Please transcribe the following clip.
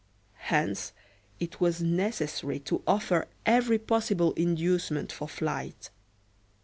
Hence, it was necessary to offer every possible inducement for flight.